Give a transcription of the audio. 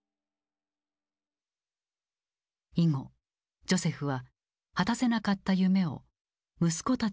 以後ジョセフは果たせなかった夢を息子たちに託すことになる。